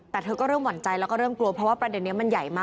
แต่เธอก็เริ่มหวั่นใจแล้วก็เริ่มกลัวเพราะว่าประเด็นนี้มันใหญ่มาก